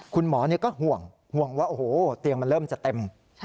คุณหมอก็ห่วงห่วงว่าโอ้โหเตียงมันเริ่มจะเต็ม